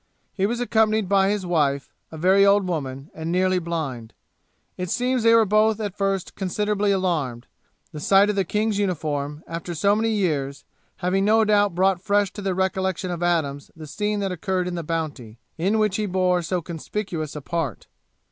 He was accompanied by his wife, a very old woman, and nearly blind. It seems they were both at first considerably alarmed; the sight of the king's uniform, after so many years, having no doubt brought fresh to the recollection of Adams the scene that occurred in the Bounty, in which he bore so conspicuous a part.